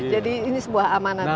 jadi ini sebuah amanat yang